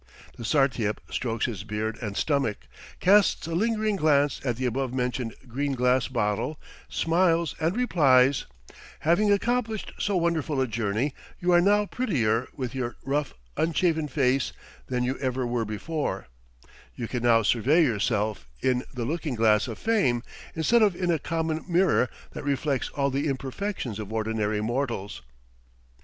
The Sartiep strokes his beard and stomach, casts a lingering glance at the above mentioned green glass bottle, smiles, and replies: "Having accomplished so wonderful a journey, you are now prettier with your rough, unshaven face than you ever were before; you can now survey yourself in the looking glass of fame instead of in a common mirror that reflects all the imperfections of ordinary mortals."